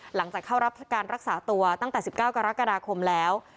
หลังจากเข้ารับการรักษาตัวตั้งแต่๑๙กรกฎาคมแล้ว